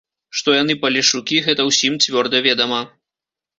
Што яны палешукі, гэта ўсім цвёрда ведама.